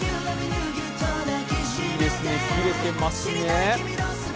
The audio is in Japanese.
いいですね、キレてますね。